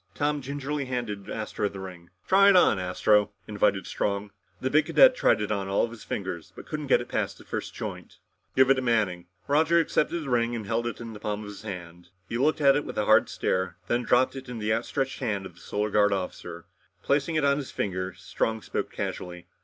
Tom gingerly handed Astro the ring. "Try it on, Astro," invited Strong. The big cadet tried it on all of his fingers but couldn't get it past the first joint. "Give it to Manning." Roger accepted the ring and held it in the palm of his hand. He looked at it with a hard stare, then dropped it in the outstretched hand of the Solar Guard officer. Replacing it on his finger, Strong spoke casually.